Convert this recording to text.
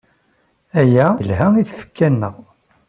Aya yelha i tfekka-nnek.